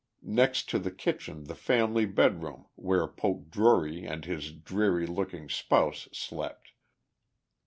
Next to the kitchen the family bed room where Poke Drury and his dreary looking spouse slept.